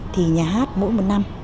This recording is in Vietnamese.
thì nhà hát mỗi một năm